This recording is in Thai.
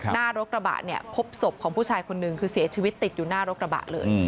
หน้ารถกระบะเนี่ยพบศพของผู้ชายคนนึงคือเสียชีวิตติดอยู่หน้ารถกระบะเลย